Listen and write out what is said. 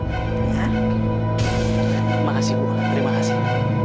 terima kasih bu terima kasih